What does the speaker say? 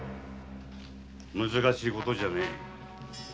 むずかしいことじゃねえ。